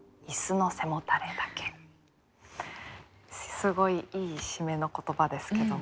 すごいいい締めの言葉ですけども。